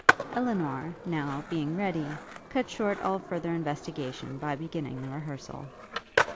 Elinor, now, being ready, cut short all further investigation by beginning the rehearsal.